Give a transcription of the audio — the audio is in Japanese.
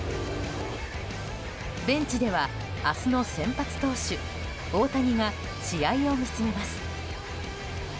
ベンチでは明日の先発投手大谷が試合を見つめます。